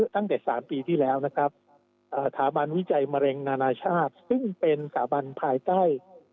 ตั้งแต่๓ปีที่แล้วนะครับถาบันวิจัยมะเร็งฮซึ่งเป็นเสาอุปกรณ์ภายใต้